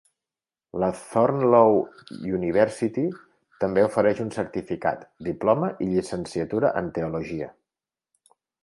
La Thorneloe University també ofereix un certificat, diploma i llicenciatura en teologia.